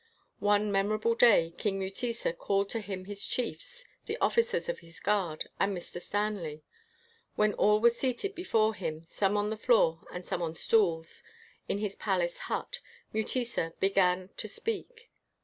One memorable day, King Mutesa called to him his chiefs, the officers of his guard, and Mr. Stanley. When all were seated be fore him, some on the floor and some on stools, in his palace hut, Mutesa began to speak.